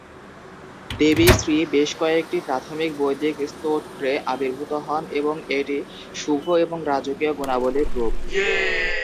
দেবী শ্রী বেশ কয়েকটি প্রাথমিক বৈদিক স্তোত্রে আবির্ভূত হন এবং এটি শুভ এবং রাজকীয় গুণাবলীর রূপ।